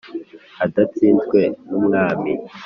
adatsinzwe n'umwami